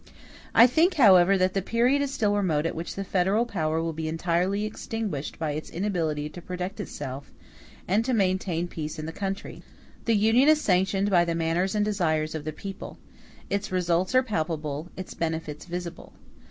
I think, however, that the period is still remote at which the federal power will be entirely extinguished by its inability to protect itself and to maintain peace in the country. The Union is sanctioned by the manners and desires of the people; its results are palpable, its benefits visible.